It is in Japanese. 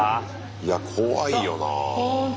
いや怖いよなぁ。